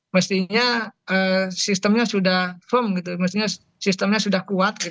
mestinya sistemnya sudah firm gitu maksudnya sistemnya sudah kuat